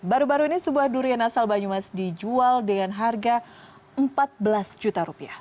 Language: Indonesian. baru baru ini sebuah durian asal banyumas dijual dengan harga rp empat belas juta rupiah